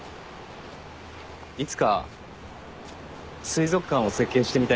いつか水族館を設計してみたいんだよね。